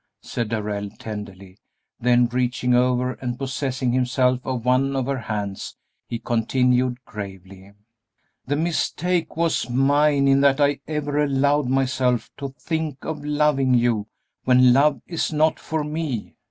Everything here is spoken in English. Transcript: said Darrell, tenderly; then reaching over and possessing himself of one of her hands, he continued, gravely: "The mistake was mine in that I ever allowed myself to think of loving you when love is not for me.